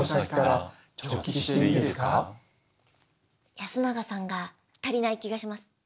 やすながさんが足りない気がします。